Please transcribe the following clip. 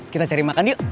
kita cari makan yuk